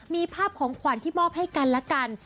มีภาพของขวัญที่มอบให้กันและกัน